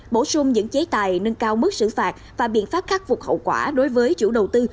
bổ sung những chế tài nâng cao mức xử phạt và biện pháp khắc phục hậu quả đối với chủ đầu tư